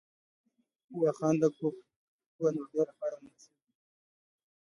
واخان د کوه نوردۍ لپاره مناسب دی